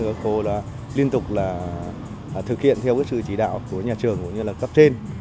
các cô đã liên tục là thực hiện theo sự chỉ đạo của nhà trường cũng như là cấp trên